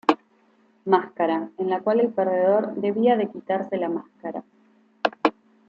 Máscara, en la cual el perdedor debía de quitarse la máscara.